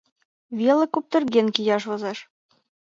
Веле куптырген кияш возеш.